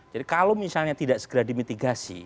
jadi kalau misalnya tidak segera dimitigasi